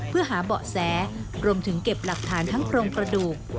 เพื่อหาเบาะแสรวมถึงเก็บหลักฐานทั้งโครงกระดูก